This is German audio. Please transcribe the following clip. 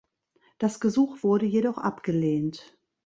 Das Gesuch wurde jedoch abgelehnt.